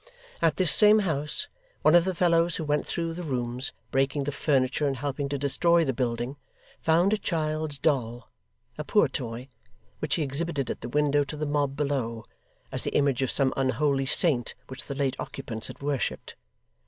At this same house, one of the fellows who went through the rooms, breaking the furniture and helping to destroy the building, found a child's doll a poor toy which he exhibited at the window to the mob below, as the image of some unholy saint which the late occupants had worshipped.